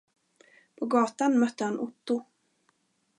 På gatan mötte han Otto.